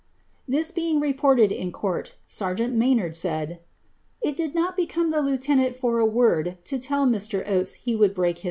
This being reported in court, sergeant Maynard said, ; become the lieutenant for a word to tell Mr. Oates he would lead."